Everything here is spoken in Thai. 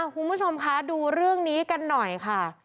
คุณผู้ชมคะดูเรื่องนี้กันหน่อยค่ะ